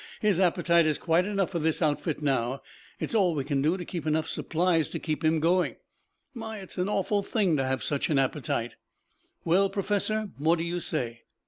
"His appetite is quite enough for this outfit now. It's all we can do to keep enough supplies to keep him going. My, it's an awful thing to have such an appetite." "Well, Professor, what do you say?"